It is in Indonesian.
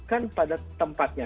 kan pada tempatnya